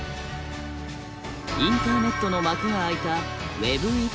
インターネットの幕が開いたＷｅｂ１．０。